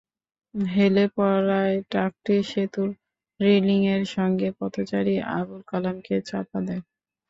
হেলে পড়ায় ট্রাকটি সেতুর রেলিংয়ের সঙ্গে পথচারী আবুল কালামকে চাপা দেয়।